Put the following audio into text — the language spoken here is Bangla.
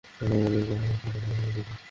চোখ বন্ধ করেন।